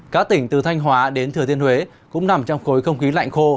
các tỉnh từ thanh hóa đến thừa thiên huế cũng nằm trong khối không khí lạnh khô